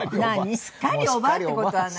「すっかりおばあ」って事はない。